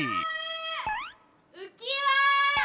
うきわ！